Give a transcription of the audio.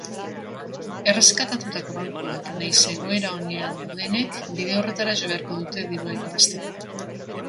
Erreskatatutako bankuek nahiz egoera onean daudenek bide horretara jo beharko dute dirua irabazteko.